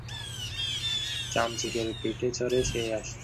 নিজের ভাষায় ম্যাগাজিনে লেখা দেওয়ার মতো সদস্য খুঁজে পাওয়া গেল না।